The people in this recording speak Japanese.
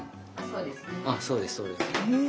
そうですそうです。